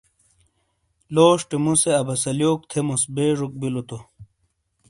لوشٹے مُوسے عباس علیوک تھیموس بیژوک بلو تو۔